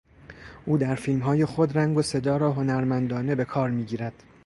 او در فیلمهای خود رنگ و صدا را هنرمندانه به کار میگیرد.